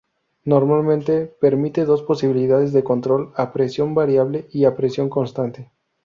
Normalmente permiten dos posibilidades de control; a presión variable y a presión constante.